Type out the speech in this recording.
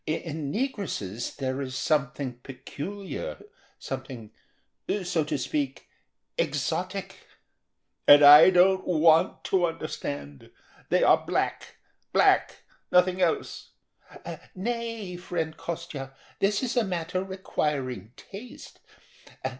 In negresses there is something peculiar, something, so to speak, exotic." "And I don't want to understand! They are black—black—nothing else." "Nay, friend Kostya, this is a matter requiring taste.